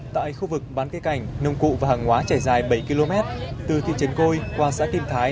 tại khu vực bán cây cảnh nông cụ và hàng hóa trải dài bảy km từ thị trấn côi qua xã kim thái